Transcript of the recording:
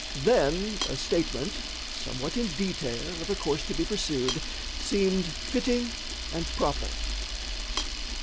Then a statement, somewhat in detail, of a course to be pursued, seemed fitting and proper.